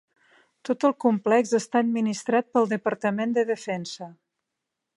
Tot el complex està administrat pel Departament de Defensa.